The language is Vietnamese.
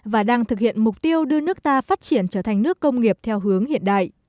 và đang thực hiện mục tiêu đưa nước ta phát triển trở thành nước công nghiệp theo hướng hiện đại